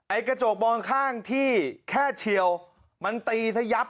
ไอ้กระจกมองข้างที่แค่เฉียวมันตีทะยับเลยครับ